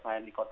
nah di kota